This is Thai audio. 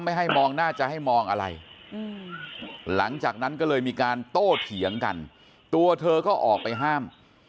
ให้มองหน้าจะให้มองอะไรหลังจากนั้นก็เลยมีการโต้เถียงกันตัวเธอก็ออกไปห้าม